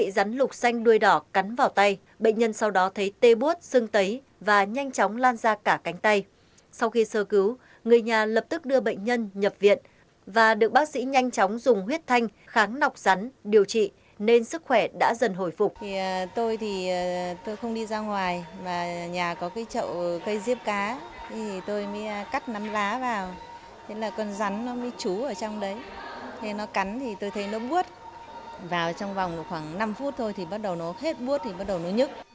rắn lục xanh đuôi đỏ cắn vào tay bệnh nhân sau đó thấy tê bút sưng tấy và nhanh chóng lan ra cả cánh tay sau khi sơ cứu người nhà lập tức đưa bệnh nhân nhập viện và được bác sĩ nhanh chóng dùng huyết thanh kháng nọc rắn điều trị nên sức khỏe đã dần hồi phục